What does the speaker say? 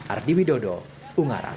ardi widodo ungarang